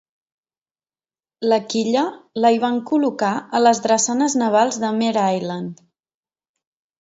La quilla la hi van col·locar a les drassanes navals de Mare Island.